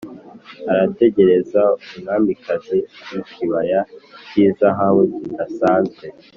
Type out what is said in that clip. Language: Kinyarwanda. arategereza, umwamikazi wikibaya cyizahabu kidasanzwe.